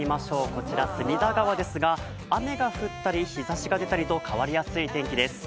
こちら隅田川ですが雨が降ったり、日ざしが出たりと変わりやすい天気です。